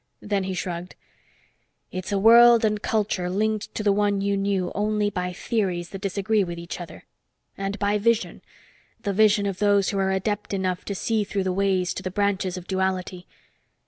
Then he shrugged. "It's a world and culture linked to the one you knew only by theories that disagree with each other. And by vision the vision of those who are adept enough to see through the Ways to the branches of Duality.